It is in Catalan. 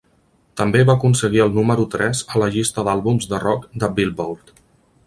També va aconseguir el número tres a la llista d'àlbums de rock de Billboard.